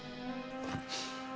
tidak ada apa apa